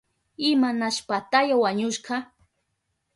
¿Imanashpataya wañushka?